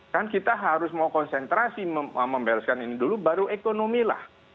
kan kita harus mau konsentrasi membereskan ini dulu baru ekonomi lah